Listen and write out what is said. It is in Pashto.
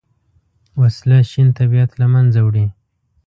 وسله شین طبیعت له منځه وړي